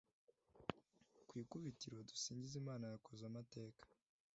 ku ikubitiro Dusingizimana yakoze amateka